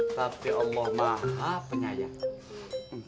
tapi allah maha penyayang